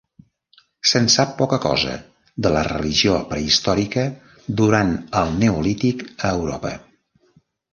Se'n sap poca cosa, de la religió prehistòrica durant el Neolític a Europa.